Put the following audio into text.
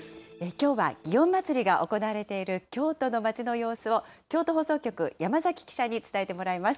きょうは祇園祭が行われている京都の町の様子を、京都放送局、山崎記者に伝えてもらいます。